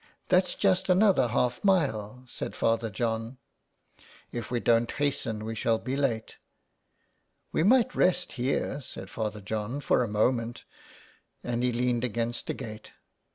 '' That's just another half mile," said Father John. " If we don't hasten we shall be late." We might rest here," said Father John, " for a moment," and he leaned against a gate.